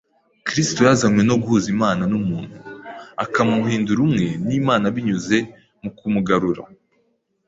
Kristo yazanywe no guhuza Imana n’umuntu, akamuhindura umwe n’Imana binyuze mu kumugarura